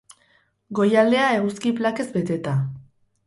Goialdea, eguzki plakez beteta.